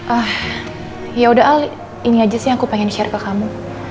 ah ya udah al ini aja sih yang aku pengen share ke kamu